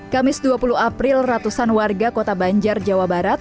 kamis dua puluh april ratusan warga kota banjar jawa barat